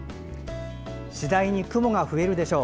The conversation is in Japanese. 次第に雲が増えるでしょう。